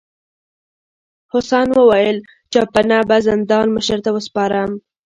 حسن وویل چپنه به زندان مشر ته وسپارم.